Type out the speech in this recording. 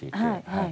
はい。